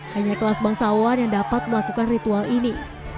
hanya kelas bangsawan yang dapat melakukan ritual ini